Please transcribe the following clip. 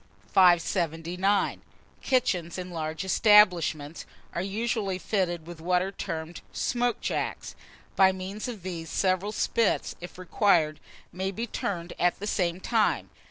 579. KITCHENS IN LARGE ESTABLISHMENTS are usually fitted with what are termed "smoke jacks." By means of these, several spits, if required, may be turned at the same time.